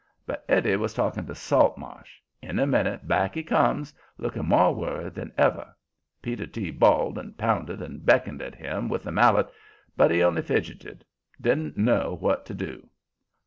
But Eddie was talking to Saltmarsh. In a minute back he comes, looking more worried than ever. Peter T. bawled and pounded and beckoned at him with the mallet, but he only fidgetted didn't know what to do.